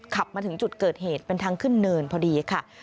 ขับมาถึงจุดเกิดเหตุเป็นทางขึ้นเนินพอดีค่ะ